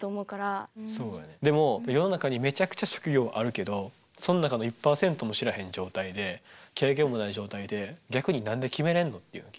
でも世の中にめちゃくちゃ職業はあるけどその中の１％も知らへん状態で経験もない状態で逆に何で決めれんの？っていう。